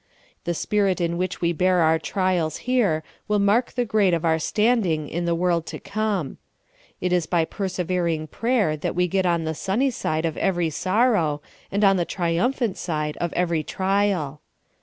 The spirit in which we bear our trials here will mark the grade of our standing in the world THE DAILY CROSS. 73 to come. It is l^y persevering prayer that we get on the sunny side of every sorrow, and on the triumphant side of every trial.